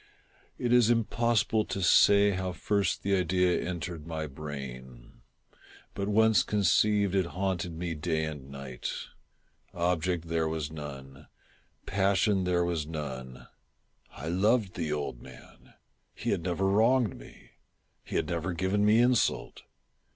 It is impossible to say how first the idea entered my brain ; but once conceived, it haunted me day and night. Object there was none. Passion there was none. I loved the old man. He had never wronged me. He had never given me insult.